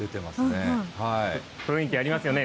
雰囲気ありますよね。